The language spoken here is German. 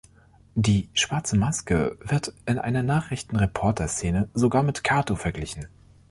Die Schwarze Maske wird in einer Nachrichtenreporter-Szene sogar mit Kato verglichen.